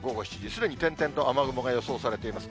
すでに点々と雨雲が予想されています。